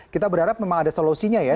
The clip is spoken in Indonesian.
kita berharap memang ada solusinya ya